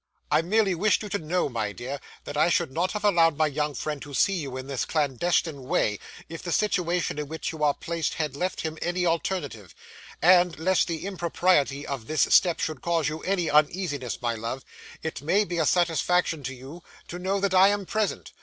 'I merely wished you to know, my dear, that I should not have allowed my young friend to see you in this clandestine way, if the situation in which you are placed had left him any alternative; and, lest the impropriety of this step should cause you any uneasiness, my love, it may be a satisfaction to you, to know that I am present.